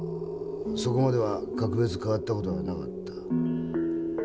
そこまでは格別変わった事はなかった。